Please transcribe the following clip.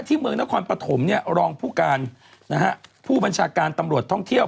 เมืองนครปฐมเนี่ยรองผู้การนะฮะผู้บัญชาการตำรวจท่องเที่ยว